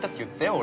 俺。